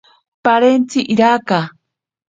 Parentsi iraka.